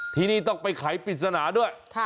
ทีนี้ต้องไปขายปิดสนาด้วย